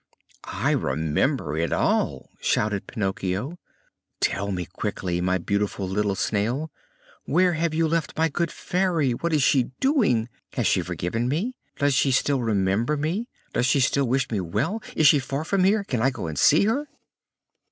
"I remember it all" shouted Pinocchio. "Tell me quickly, my beautiful little Snail, where have you left my good Fairy? What is she doing? Has she forgiven me? Does she still remember me? Does she still wish me well? Is she far from here? Can I go and see her?"